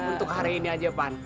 untuk hari ini aja pan